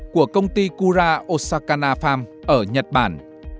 của công ty kura osakana farm ở nhật bản